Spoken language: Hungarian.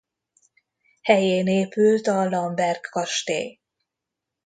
Helyén épült a Lamberg-kastély.